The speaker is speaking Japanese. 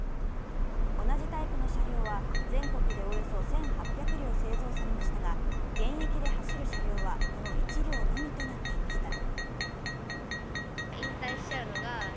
同じタイプの車両は全国でおよそ１８００両製造されましたが現役で走る車両は、この１両のみとなっていました。